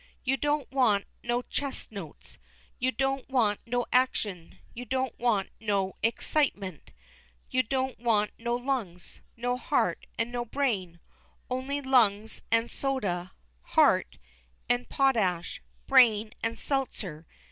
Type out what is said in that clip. You don't want no chest notes; you don't want no action; you don't want no exsitement; you don't want no lungs, no heart, and no brain; only lungs an' soda, heart an' potash, brain an' selzer.